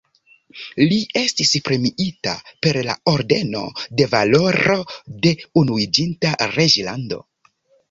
Li estis premiita per la Ordeno de Valoro de Unuiĝinta Reĝlando.